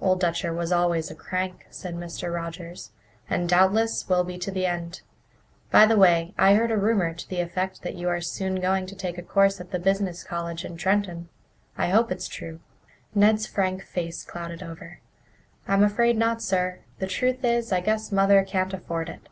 "Old Dutcher was always a crank," said Mr. Rogers, "and doubtless will be to the end. By the way, I heard a rumour to the effect that you are soon going to take a course at the business college in Trenton. I hope it's true." Ned's frank face clouded over. "I'm afraid not, sir. The truth is, I guess Mother can't afford it.